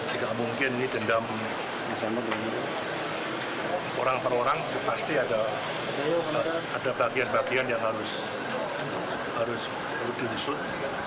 tidak mungkin ini dendam orang per orang pasti ada bagian bagian yang harus diusut